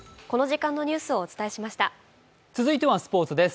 続いてはスポーツです。